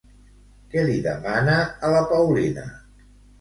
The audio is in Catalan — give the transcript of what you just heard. Què li demana a la Paulina?